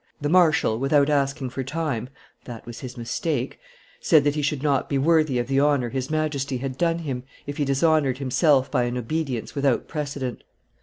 The marshal, without asking for time (that was his mistake), said that he should not be worthy of the honor his Majesty had done him if he dishonored himself by an obedience without precedent.